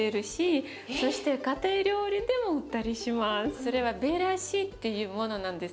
それはベリャシっていうものなんです。